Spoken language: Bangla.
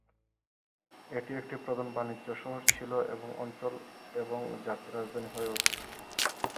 এটি একটি প্রধান বাণিজ্য শহর ছিল এবং অঞ্চল এবং জাতির রাজধানী হয়ে উঠে।